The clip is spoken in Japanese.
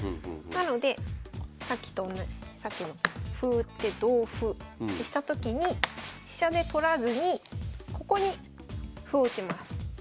なのでさっきとさっきの歩打って同歩ってしたときに飛車で取らずにここに歩を打ちます。